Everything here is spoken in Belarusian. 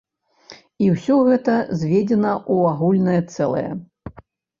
І ўсё гэта зведзена ў агульнае цэлае.